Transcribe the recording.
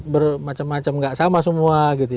bermacam macam tidak sama semua